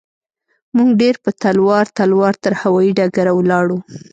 موږ ډېر په تلوار تلوار تر هوايي ډګره ولاړو.